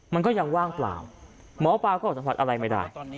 มันก็ยังว่างเปล่าหมอปลาก็สัมผัสอะไรไม่ได้